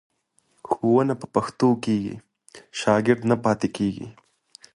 ښوونه په پښتو کېږي، شاګرد نه پاتې کېږي.